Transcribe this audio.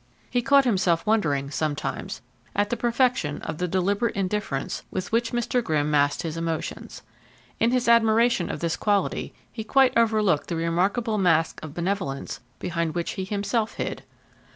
He caught himself wondering, sometimes, at the perfection of the deliberate indifference with which Mr. Grimm masked his emotions. In his admiration of this quality he quite overlooked the remarkable mask of benevolence behind which he himself hid.